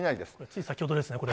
つい先ほどですね、これ。